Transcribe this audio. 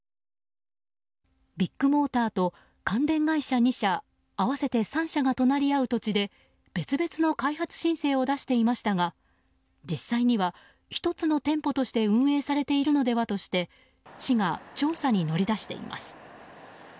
ビッグモーターと関連会社２社合わせて３社が隣り合う土地で別々の開発申請を出していましたが実際には、１つの店舗として運営されているのではとして市が調査に乗り出しています。